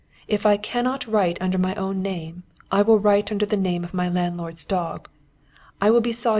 If I cannot write under my own name, I will write under the name of my landlord's dog. I will be 'Sajó.'